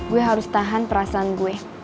gue harus tahan perasaan gue